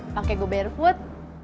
pakai go barefoot